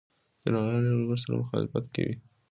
جنرالان له یو بل سره په مخالفت کې وو.